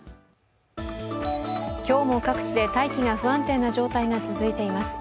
今日も各地で大気が不安定な状態が続いています。